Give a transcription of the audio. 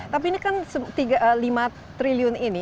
tapi ini kan lima triliun ini